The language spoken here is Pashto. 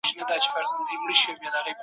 بې ځایه غوښتني نه منل کېږي.